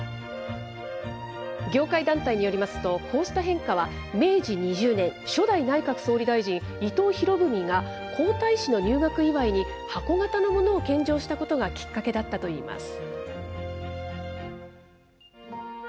業界団体によりますと、こうした変化は、明治２０年、初代内閣総理大臣、伊藤博文が皇太子の入学祝いに箱型のものを献上したことがきっかけだったといいます。